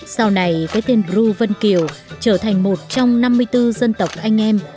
sau này cái tên bru vân kiều trở thành một trong năm mươi bốn dân tộc anh em